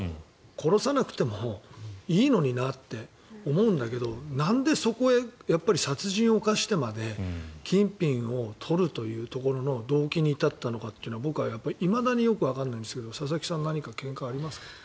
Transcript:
殺さなくてもいいのになって思うんだけどなんでそこでやっぱり殺人を犯してまで金品を取るというところの動機に至ったのかは僕はいまだにわからないんですが佐々木さん何か見解ありますか？